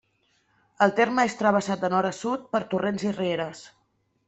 El terme és travessat de nord a sud per torrents i rieres.